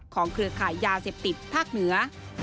เครือขายยาเสพติดภาคเหนือ